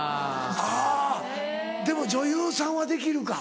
あぁでも女優さんはできるか。